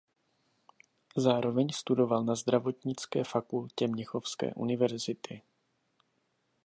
Zároveň studoval na zdravotnické fakultě mnichovské univerzity.